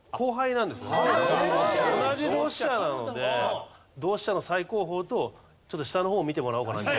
同じ同志社なので同志社の最高峰とちょっと下の方を見てもらおうかなと。